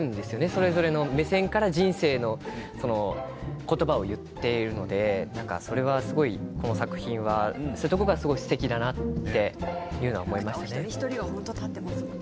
それぞれの目線から人生の言葉を言っているのでこの作品はそういうところがすてきだなって思いましたね。